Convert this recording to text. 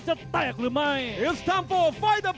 กระโดยสิ้งเล็กนี่ออกกันขาสันเหมือนกันครับ